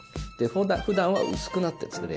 普段は薄くなってるんですよね